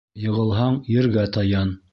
Йығылһаң, ергә таян.